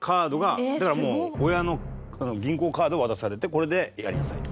だからもう親の銀行カードを渡されてこれでやりなさいと。